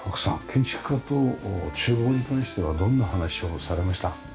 建築家と厨房に関してはどんな話をされました？